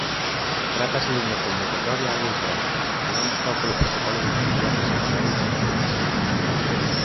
Trátase dunha convocatoria algo diferente e non só polo protocolo de seguridade sanitaria esixido.